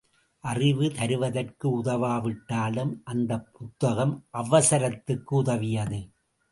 அறிவு தருவதற்கு உதவாவிட்டாலும் அந்தப்புத்தகம் அவசரத்துக்கு உதவியது.